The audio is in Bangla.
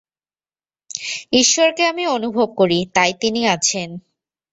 ঈশ্বরকে আমি অনুভব করি, তাই তিনি আছেন।